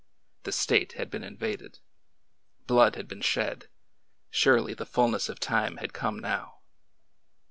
The State had been invaded ! Blood had been shed! Surely the fullness of time had come now!